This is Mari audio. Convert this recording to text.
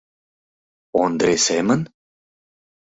Ондре семын?